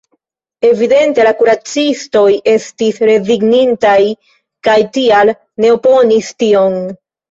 Evidente la kuracistoj estis rezignintaj kaj tial ne oponis tion.